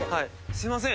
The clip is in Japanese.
すいません